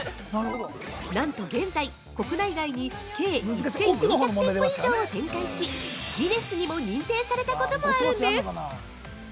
なんと現在、国内外に計１４００店舗以上を展開しギネスにも認定されたこともあるんです